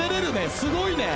すごいね。